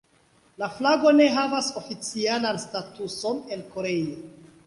La flago ne havas oficialan statuson en Koreio.